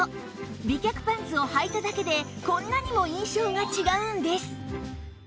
美脚パンツをはいただけでこんなにも印象が違うんです！